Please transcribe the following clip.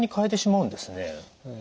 そうなんですね。